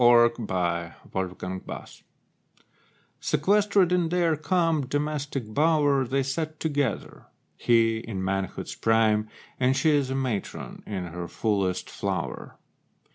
DOMESTIC BLISS IV Sequestered in their calm domestic bower, They sat together. He in manhood's prime And she a matron in her fullest flower.